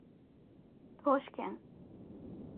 統帥権